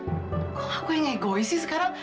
kok aku yang egois sih sekarang